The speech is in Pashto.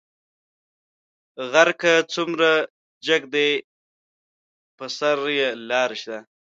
غر کۀ څومره جګ دى، پۀ سر يې لار شته.